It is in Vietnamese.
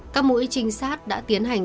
các mũi trinh sát đã tiến hành